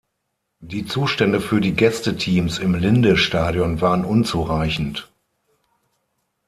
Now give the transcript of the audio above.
Die Zustände für die Gäste-Teams im Linde-Stadion waren unzureichend.